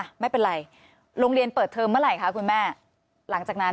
ไม่เป็นไรโรงเรียนเปิดเทอมเมื่อไหร่คะคุณแม่หลังจากนั้น